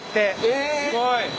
えすごい！